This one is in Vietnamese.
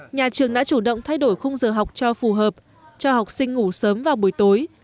nhà trường đã chủ động thay đổi khung giờ học cho phù hợp cho học sinh ngủ sớm vào buổi tối